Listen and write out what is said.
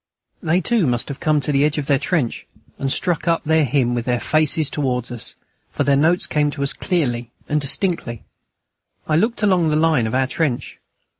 They too must have come to the edge of their trench and struck up their hymn with their faces towards us, for their notes came to us clearly and distinctly. I looked along the line of our trench.